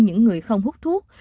những người không hút thuốc